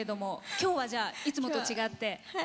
今日はいつもと違って。